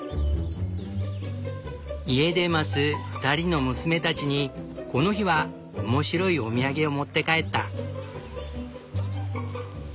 家で待つ２人の娘たちにこの日は面白いお土産を持って帰った。